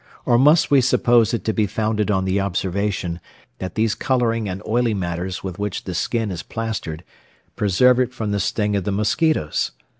or must we suppose it to be founded on the observation, that these colouring and oily matters with which the skin is plastered, preserve it from the sting of the mosquitos?